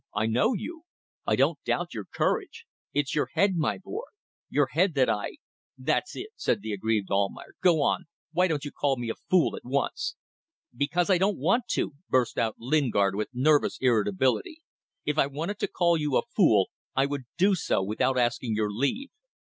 I know you. I don't doubt your courage. It's your head, my boy, your head that I ..." "That's it," said the aggrieved Almayer. "Go on. Why don't you call me a fool at once?" "Because I don't want to," burst out Lingard, with nervous irritability. "If I wanted to call you a fool, I would do so without asking your leave."